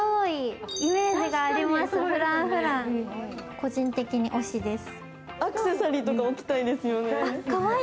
個人的に推しです。